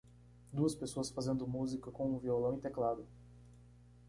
Duas pessoas fazendo música com um violão e teclado.